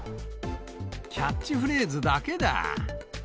キャッチフレーズだけだ。